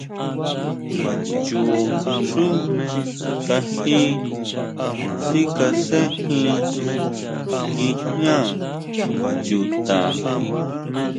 Chuxú kají sikasenjin nguijñá chuta.